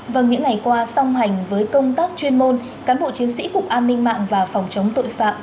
vâng những ngày qua song hành với công tác chuyên môn cán bộ chiến sĩ cục an ninh mạng và phòng chống tội phạm